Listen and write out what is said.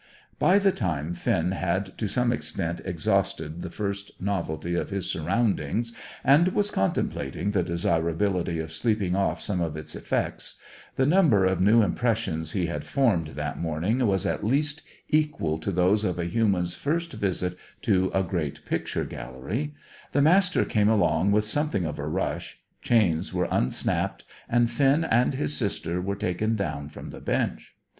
By the time Finn had to some extent exhausted the first novelty of his surroundings, and was contemplating the desirability of sleeping off some of its effects the number of new impressions he had formed that morning was at least equal to those of a human's first visit to a great picture gallery the Master came along with something of a rush, chains were unsnapped, and Finn and his sister were taken down from the bench.